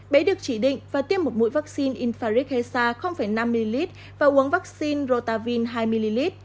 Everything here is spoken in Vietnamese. bé được chỉ định và tiêm một mũi vaccine infaric hesa năm ml và uống vaccine rotavine hai ml